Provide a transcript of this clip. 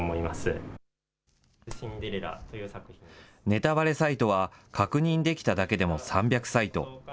ネタバレサイトは、確認できただけでも３００サイト。